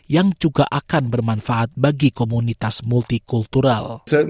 yang juga akan bermanfaat bagi komunitas multikultural